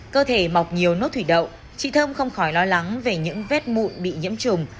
cơ thể mọc nhiều nốt thủy đậu chị thơm không khỏi lo lắng về những vết mụn bị nhiễm trùng